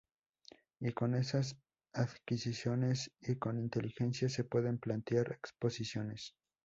Y con esas adquisiciones y con inteligencia se pueden plantear exposiciones".